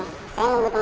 terus saya jahit nih